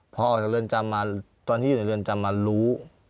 พอออกจากเรือนจำมาตอนที่อยู่ในเรือนจำมารู้